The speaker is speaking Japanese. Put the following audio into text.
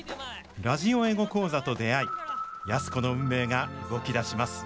ラジオ英語講座と出会い安子の運命が動き出します